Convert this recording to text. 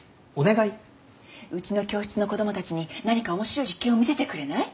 うちの教室の子供たちに何か面白い実験を見せてくれない？